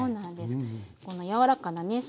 この柔らかなね